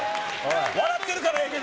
笑ってるからええけど。